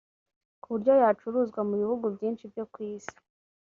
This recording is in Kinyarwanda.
ku buryo yacuruzwa mu bihugu byinshi byo ku isi